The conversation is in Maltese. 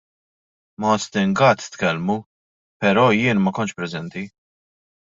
Ma' Austin Gatt tkellmu, però jien ma kontx preżenti.